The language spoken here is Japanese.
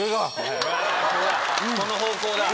その方向だ。